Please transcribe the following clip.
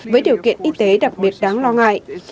với điều kiện y tế đặc biệt đáng lo ngại